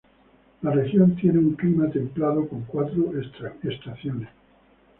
La región tiene un clima templado, con cuatro estaciones.